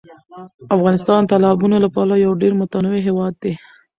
افغانستان د تالابونو له پلوه یو ډېر متنوع هېواد دی.